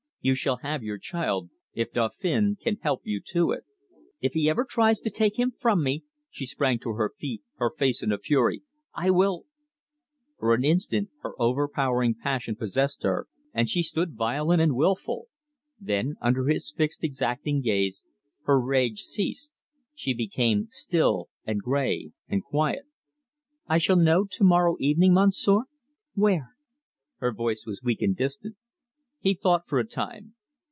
"You shall have your child, if Dauphin can help you to it." "If he ever tries to take him from me" she sprang to her feet, her face in a fury "I will " For an instant her overpowering passion possessed her, and she stood violent and wilful; then, under his fixed, exacting gaze, her rage ceased; she became still and grey and quiet. "I shall know to morrow evening, Monsieur? Where?" Her voice was weak and distant. He thought for a time.